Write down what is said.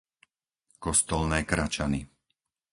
Kostolné Kračany